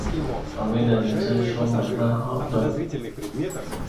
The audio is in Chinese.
旁边的人在说买卖很好赚